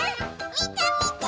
みてみて！